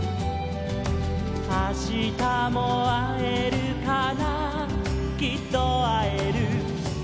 「あしたもあえるかなきっとあえる」